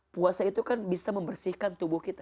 puasa itu kan bisa membersihkan tubuh kita